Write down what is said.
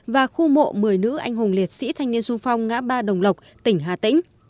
và khu mộ một mươi nữ anh hùng liệt sĩ thanh niên sung phong ngã ba đồng lộc tỉnh hà tĩnh